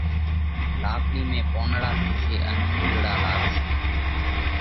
لاڪڙِي ۾ پونَڙا ٿيشي ان ڦُولڙا لاڳشي۔